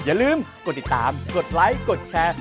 อย่าลืมกดติดตามกดไลค์กดแชร์